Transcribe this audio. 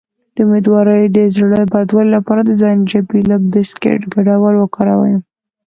د امیدوارۍ د زړه بدوالي لپاره د زنجبیل او بسکټ ګډول وکاروئ